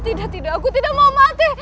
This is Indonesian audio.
tidak tidak aku tidak mau mati